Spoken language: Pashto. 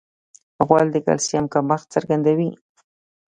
غول د کلسیم کمښت څرګندوي.